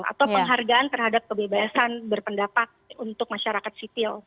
atau penghargaan terhadap kebebasan berpendapat untuk masyarakat sipil